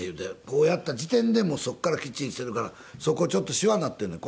こうやった時点でもうそこからきっちりしてるから「そこちょっとシワなってんねん。